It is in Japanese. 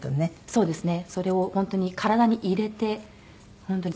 そうですね。